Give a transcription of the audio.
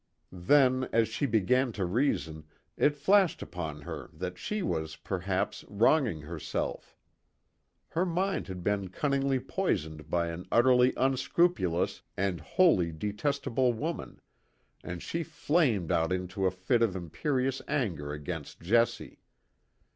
Then, as she began to reason, it flashed upon her that she was, perhaps, wronging herself. Her mind had been cunningly poisoned by an utterly unscrupulous and wholly detestable woman, and she flamed out into a fit of imperious anger against Jessie.